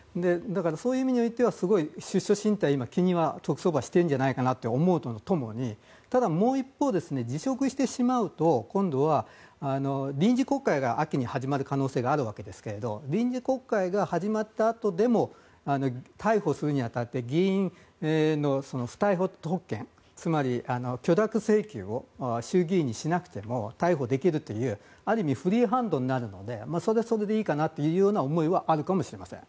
そういう意味においては出処進退を特捜部は、気にはしてるんじゃないかなと思うと共に、もう一方で今度は臨時国会が秋に始まる可能性があるわけですが臨時国会が始まったあとでも逮捕するに当たって議員の不逮捕特権つまり、許諾請求を衆議院にしなくても逮捕できるというある意味フリーハンドになるのでそれはそれでいいかなという思いはあるかもしれません。